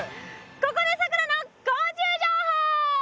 ここでさくらの昆虫情報！